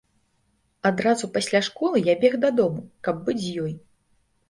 Адразу пасля школы я бег дадому, каб быць з ёй.